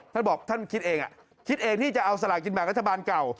ท่านบอกท่านคิดเองคิดเองที่จะเอาสลากินแบ่งรัฐบาลเก่า